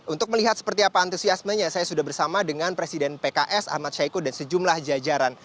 untuk melihat seperti apa antusiasmenya saya sudah bersama dengan presiden pks ahmad syaiqo dan sejumlah jajaran